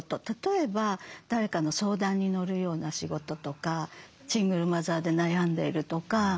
例えば誰かの相談に乗るような仕事とかシングルマザーで悩んでいるとか。